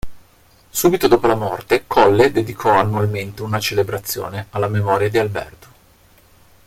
Subito dopo la morte Colle dedicò annualmente una celebrazione alla memoria di Alberto.